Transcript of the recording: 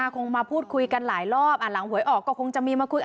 คงมาพูดคุยกันหลายรอบหลังหวยออกก็คงจะมีมาคุย